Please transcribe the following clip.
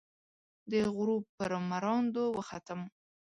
د غروب پر مراندو، وختم